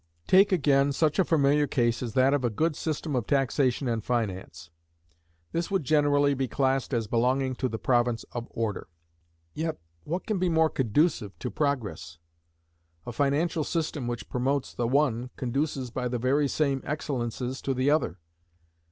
Take, again, such a familiar case as that of a good system of taxation and finance. This would generally be classed as belonging to the province of Order. Yet what can be more conducive to Progress? A financial system which promotes the one, conduces, by the very same excellences, to the other.